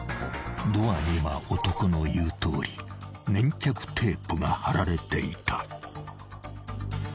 ［ドアには男の言うとおり粘着テープがはられていた］